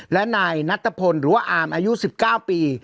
และนายนัทพลหรือว่าอามอายุ๑๙ปี